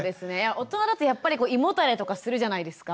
大人だとやっぱり胃もたれとかするじゃないですか。